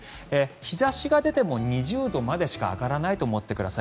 日差しが出ても２０度までしか上がらないと思ってください。